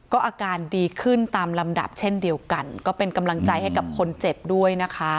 ก็อาการดีขึ้นตามลำดับเช่นเดียวกันก็เป็นกำลังใจให้กับคนเจ็บด้วยนะคะ